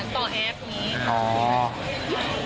ต่อแอปนี้